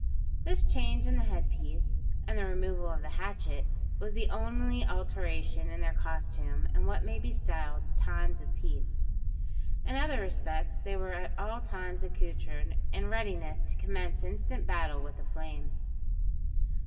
This change in the head piece, and the removal of the hatchet, was the only alteration in their costume in what may be styled "times of peace." In other respects they were at all times accoutred, and in readiness to commence instant battle with the flames.